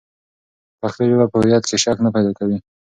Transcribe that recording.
پښتو ژبه په هویت کې شک نه پیدا کوي.